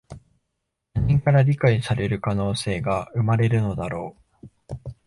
他人から理解される可能性が生まれるのだろう